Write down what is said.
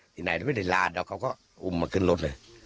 ที่ไหนไม่ได้ลาดแล้วเขาก็อุ้มมาขึ้นรถเลย